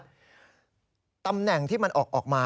คุณรำแหน่งที่มันออกออกมา